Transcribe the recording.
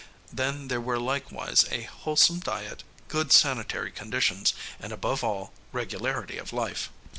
Then there were likewise a wholesome diet, good sanitary conditions, and, above all, regularity of life.